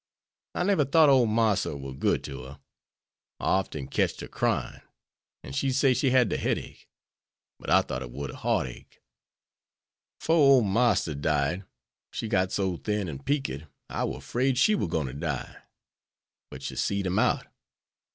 I never thought ole Marster war good to her. I often ketched her crying, an' she'd say she had de headache, but I thought it war de heartache. 'Fore ole Marster died, she got so thin an' peaked I war 'fraid she war gwine to die; but she seed him out.